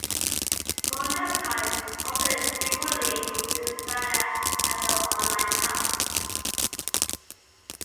Cojocar is also a jewelry designer and has an online shop.